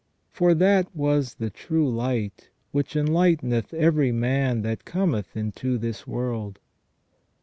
For "that was the true light, which enlighteneth every man that cometh into this world